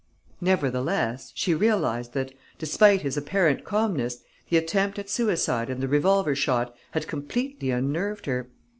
Nevertheless, she realized that, despite his apparent calmness, the attempt at suicide and the revolver shot had completely unnerved her.